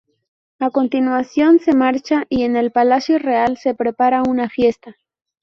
A continuación, se marcha y en el palacio real se prepara una fiesta.